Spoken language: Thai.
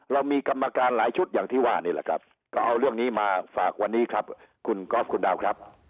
เรามีกรรมการหลายชุดอย่างที่ว่านี่แหละครับก็เอาเรื่องนี้มาฝากวันนี้ครับ